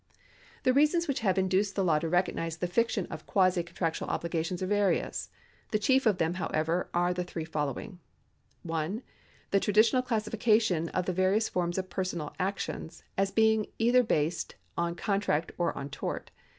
The reasons which have induced the law to recognise the fiction of quasi contractual obligation are various. The chief of them, however, are the three following :—( 1 ) The traditional classification of the various forms of personal actions, as being based either on contract or on tort.